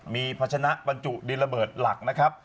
มีพัชนะบรรจุดินระเบิดหลักนะครับ